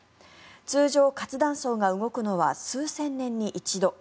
通常、活断層が動くのは数千年に一度。